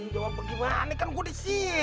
tanggung jawab bagaimana kan gue disini deh